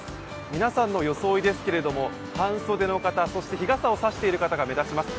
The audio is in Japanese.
皆さんの装いですけれども、半袖の方、そして日傘を差している方が目立ちます。